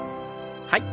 はい。